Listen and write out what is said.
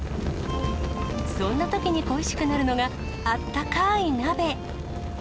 そんなときに恋しくなるのが、あったかーい鍋。